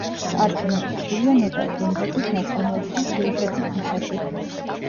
პარკი მოწყობილია ნოდარ დუმბაძის ნაწარმოებთა სიუჟეტის მიხედვით.